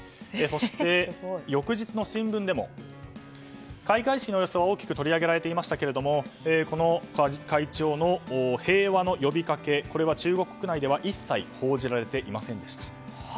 そして、翌日の新聞でも開会式の様子は大きく取り上げられていましたがこの会長の平和の呼びかけは中国国内では一切報じられていませんでした。